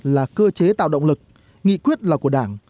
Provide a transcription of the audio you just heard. là cơ chế tạo động lực nghị quyết là của đảng